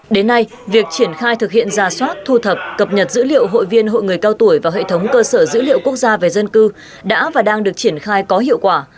đến nay việc triển khai thực hiện ra soát thu thập cập nhật dữ liệu hội viên hội người cao tuổi vào hệ thống cơ sở dữ liệu quốc gia về dân cư đã và đang được triển khai có hiệu quả